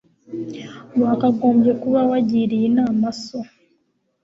Wakagombye kuba wagiriye inama so.